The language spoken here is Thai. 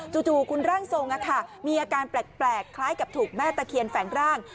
จู่คุณร่างทรงมีอาการแปลกคล้ายกับถูกแม่ตะเคียนแฝงร่าง